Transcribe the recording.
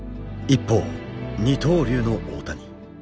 一方二刀流の大谷。